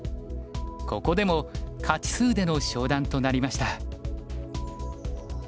ここでも勝ち数での昇段となりました。